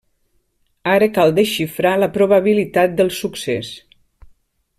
Ara cal desxifrar la probabilitat del succés.